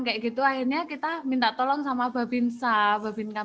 akhirnya kita minta tolong sama babin sa babin kamtun